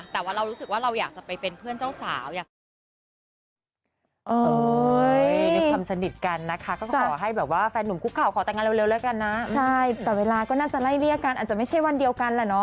แต่ว่าเรารู้สึกว่าเราอยากจะไปเป็นเพื่อนเจ้าสาว